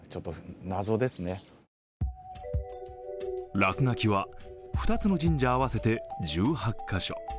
落書きは２つの神社合わせて１８カ所。